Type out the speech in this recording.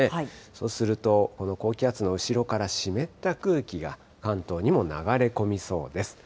そうすると、この高気圧の後ろから湿った空気が関東にも流れ込みそうです。